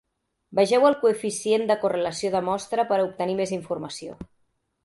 Vegeu el coeficient de correlació de mostra per a obtenir més informació.